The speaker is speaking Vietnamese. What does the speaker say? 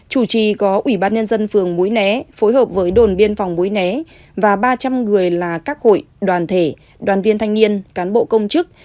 chủ trì có ủy ban nhân dân phường mũi né phối hợp với đồn biên phòng muối né và ba trăm linh người là các hội đoàn thể đoàn viên thanh niên cán bộ công chức